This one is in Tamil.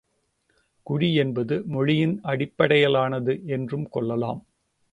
குடி என்பது மொழியின் அடிப்படையிலானது என்றும் கொள்ளலாம்.